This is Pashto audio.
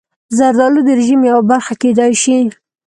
زردالو د رژیم یوه برخه کېدای شي.